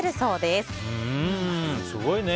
すごいね。